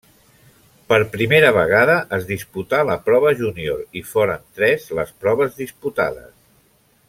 Per primera vegada es disputà la prova júnior i foren tres les proves disputades.